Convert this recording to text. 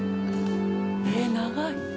えっ長い。